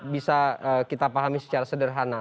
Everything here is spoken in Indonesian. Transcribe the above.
bisa kita pahami secara sederhana